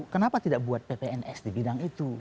kenapa tidak buat ppns di bidang itu